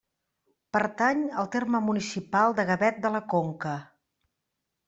Pertany al terme municipal de Gavet de la Conca.